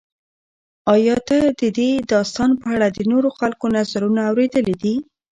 ایا ته د دې داستان په اړه د نورو خلکو نظرونه اورېدلي دي؟